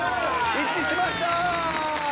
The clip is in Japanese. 一致しました！